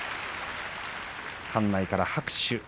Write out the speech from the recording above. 館内から拍手。